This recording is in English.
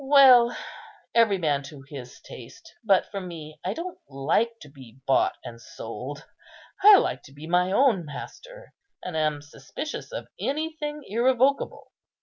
Well, every man to his taste; but for me, I don't like to be bought and sold. I like to be my own master, and am suspicious of anything irrevocable.